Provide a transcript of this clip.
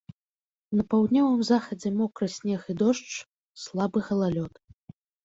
На паўднёвым захадзе мокры снег і дождж, слабы галалёд.